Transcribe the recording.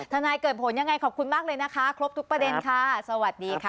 นายเกิดผลยังไงขอบคุณมากเลยนะคะครบทุกประเด็นค่ะสวัสดีค่ะ